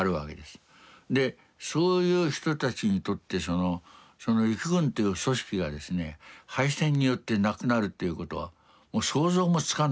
でそういう人たちにとって陸軍という組織がですね敗戦によってなくなるということはもう想像もつかないわけですね。